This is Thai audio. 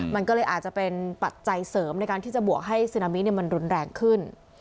มันก็เลยอาจจะเป็นปัจจัยเสริมในการที่จะบวกให้ซึนามิมันรุนแรงขึ้น